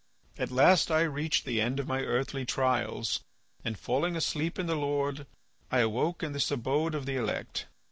At last I reached the end of my earthly trials, and failing asleep in the Lord, I awoke in this abode of the elect.